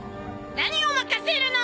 何を任せるの！？